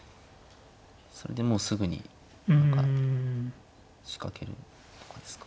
それでもうすぐに何か仕掛けるとかですか。